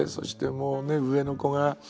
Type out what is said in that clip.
もうね上の子がね